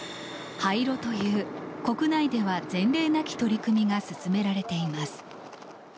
廃炉という国内では、前例なき取り組みが進められています。